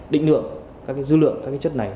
định lượng các dư lượng các chất này